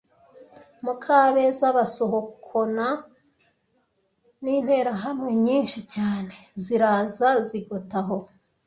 mu Kabeza basohokona n’interahamwe nyinshi cyane ziraza zigota aho